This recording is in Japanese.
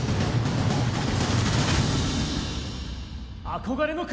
憧れの国